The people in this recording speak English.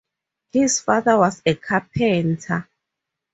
His father was a carpenter.